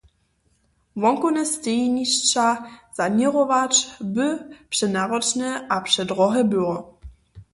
Wonkowne stejnišća saněrować by přenaročne a předrohe było.